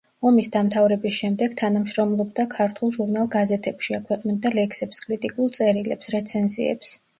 ომის დამთავრების შემდეგ თანამშრომლობდა ქართულ ჟურნალ გაზეთებში, აქვეყნებდა ლექსებს, კრიტიკულ წერილებს, რეცენზიებს.